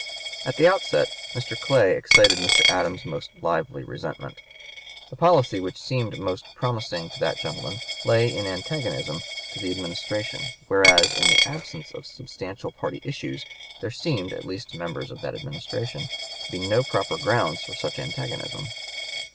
At the outset Mr. Clay excited Mr. Adams's most lively resentment. The policy which seemed most promising to that gentleman lay in antagonism to the Administration, whereas, in the absence of substantial party issues, there seemed, at least to members of that Administration, to be no proper grounds for such antagonism.